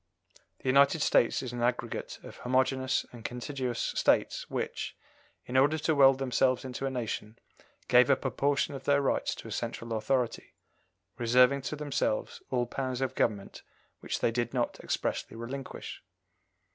The United States is an aggregate of homogeneous and contiguous States which, in order to weld themselves into a nation, gave up a portion of their rights to a central authority, reserving to themselves all powers of government which they did not expressly relinquish.